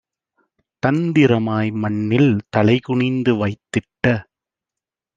தந்திரமாய் மண்ணில் தலைகுனிந்து வைத்திட்ட